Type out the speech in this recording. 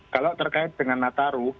kalau terkait dengan nataru